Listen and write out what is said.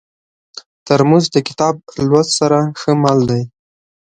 ترموز د کتاب لوست سره ښه مل دی.